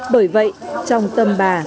bởi vậy trong tâm bà